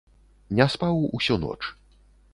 Не спаў усю ноч.